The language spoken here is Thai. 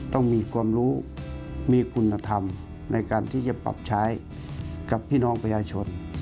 ต้องมีความรู้มีคุณธรรมในการที่จะปรับใช้กับพี่น้องประชาชน